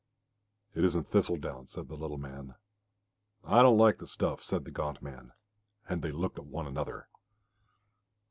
"It isn't thistle down," said the little man. "I don't like the stuff," said the gaunt man. And they looked at one another.